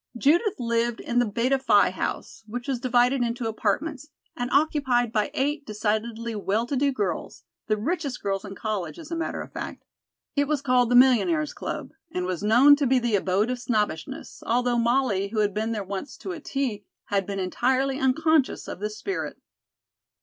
Judith lived in the Beta Phi House, which was divided into apartments, and occupied by eight decidedly well to do girls, the richest girls in college, as a matter of fact. It was called "The Millionaire's Club," and was known to be the abode of snobbishness, although Molly, who had been there once to a tea, had been entirely unconscious of this spirit.